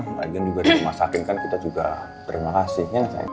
kemudian juga di rumah sakit kan kita juga terima kasih